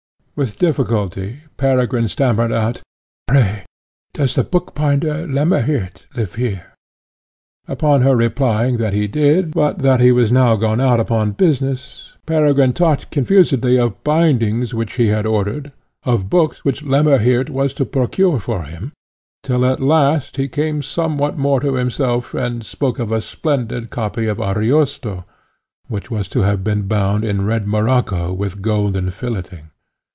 With difficulty Peregrine stammered out, "Pray, does the bookbinder Lemmerhirt live here?" Upon her replying that he did, but that he was now gone out upon business, Peregrine talked confusedly of bindings which he had ordered, of books which Lemmerhirt was to procure for him, till at last he came somewhat more to himself, and spoke of a splendid copy of Ariosto, which was to have been bound in red morocco with golden filleting.